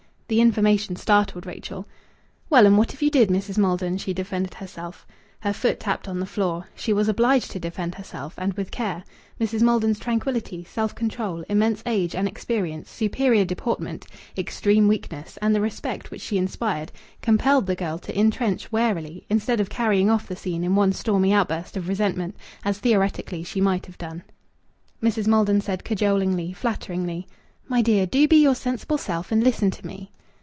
The information startled Rachel. "Well, and what if you did, Mrs. Maldon?" she defended herself. Her foot tapped on the floor. She was obliged to defend herself, and with care. Mrs. Maldon's tranquillity, self control, immense age and experience, superior deportment, extreme weakness, and the respect which she inspired, compelled the girl to intrench warily, instead of carrying off the scene in one stormy outburst of resentment as theoretically she might have done. Mrs. Maldon said, cajolingly, flatteringly "My dear, do be your sensible self and listen to me."